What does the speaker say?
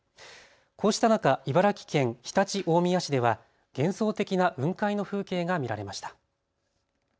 こうした中、茨城県常陸大宮市では幻想的な雲海の風景が見られました。